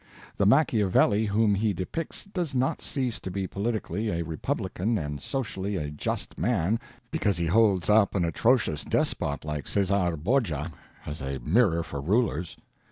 The Machiavelli whom he depicts does not cease to be politically a republican and socially a just man because he holds up an atrocious despot like Caesar Borgia as a mirror for rulers.